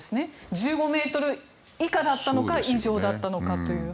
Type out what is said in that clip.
１５ｍ以下だったのか以上だったのかという。